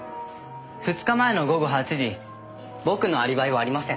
２日前の午後８時僕のアリバイはありません。